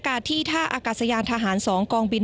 มาตรวจฯที่ท่าอากาศยาลทหาร๒กองบิน๖ดอนเมือง